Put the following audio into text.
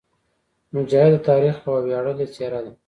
مجاهد د تاریخ یوه ویاړلې څېره ده.